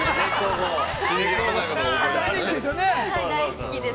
◆好きです。